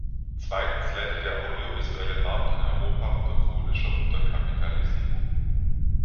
Zweitens leidet der audiovisuelle Markt in Europa unter chronischer Unterkapitalisierung.